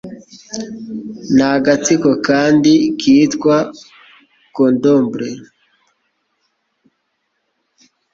nagatsiko kandi kitwa Candomblé.